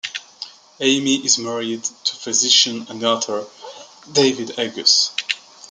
Amy is married to physician and author David Agus.